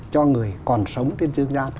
cho người còn sống trên dương gian